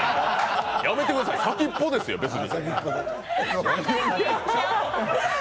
やめてください、先っぽですよ、別に。